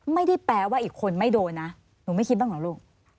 ไม่ได้แปลว่าอีกคนไม่โดนนะหนูไม่คิดบ้างเหรอลูก